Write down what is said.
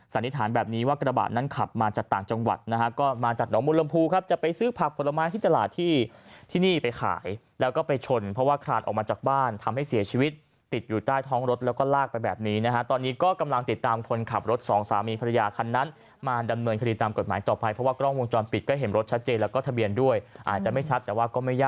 สันนิษฐานแบบนี้ว่ากระบาดนั้นขับมาจากต่างจังหวัดนะฮะก็มาจากหนองมุรมภูครับจะไปซื้อผักผลไม้ที่ตลาดที่ที่นี่ไปขายแล้วก็ไปชนเพราะว่าคลาดออกมาจากบ้านทำให้เสียชีวิตติดอยู่ใต้ท้องรถแล้วก็ลากไปแบบนี้นะฮะตอนนี้ก็กำลังติดตามคนขับรถสองสามีภรรยาคันนั้นมาดำเนินคติตามกฎหมายต่อไปเพราะว